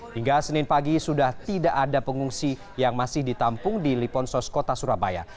hingga senin pagi sudah tidak ada pengungsi yang masih ditampung di liponsos kota surabaya